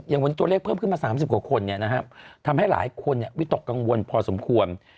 อย่างวันนี้ตัวเลขเพิ่มขึ้นมา๓๐กว่าคนทำให้หลายคนวิตกกังวลพอสมควร